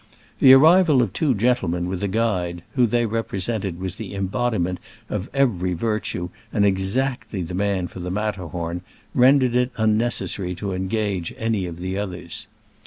The arrival of two gentlemen with a guide, who they represented was the embodiment of every virtue and exactly the man for the Matterhorn, rendered it unnecessary to engage any of the others.